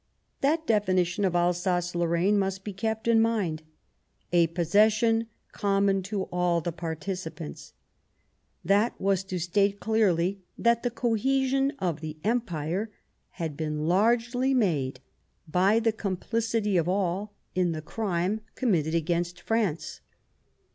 That definition of Alsace Lorraine must be kept in mind :" A possession common to all the parti cipants "; that was to state clearly that the cohesion of the Empire had been largely made by the com *plicity of all in the crime committed against France.